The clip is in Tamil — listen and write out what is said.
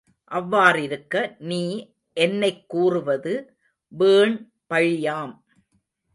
அவ்வாறிருக்க நீ என்னைக் கூறுவது வீண் பழியாம்.